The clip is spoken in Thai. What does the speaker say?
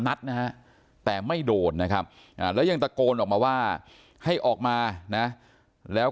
นัดนะฮะแต่ไม่โดนนะครับแล้วยังตะโกนออกมาว่าให้ออกมานะแล้ว